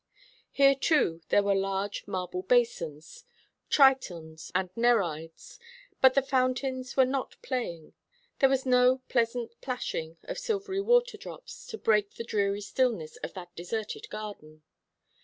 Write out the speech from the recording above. Here, too, there were large marble basins, Tritons and Nereids: but the fountains were not playing; there was no pleasant plashing of silvery water drops to break the dreary stillness of that deserted garden.